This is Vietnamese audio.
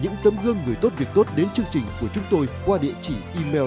người tốt việc tốt đến chương trình của chúng tôi qua địa chỉ email